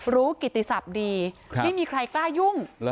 กิติศัพท์ดีไม่มีใครกล้ายุ่ง